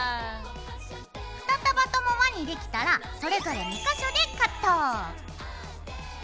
２束とも輪にできたらそれぞれカット。